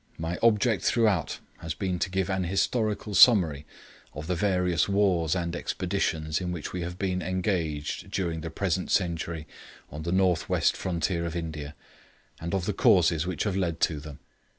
My object throughout has been to give an historical summary of the various wars and expeditions in which we have been engaged during the present century on the North West frontier of India; and of the causes which have led to them.